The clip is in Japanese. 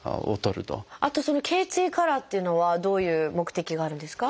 あとその頚椎カラーっていうのはどういう目的があるんですか？